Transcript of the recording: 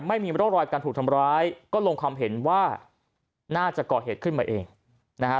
ไม่มีร่องรอยการถูกทำร้ายก็ลงความเห็นว่าน่าจะก่อเหตุขึ้นมาเองนะฮะ